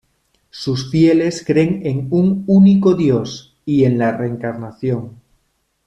Sus fieles creen en un único Dios, y en la reencarnación.